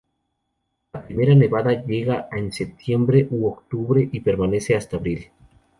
La primera nevada llega en septiembre u octubre y permanece hasta abril.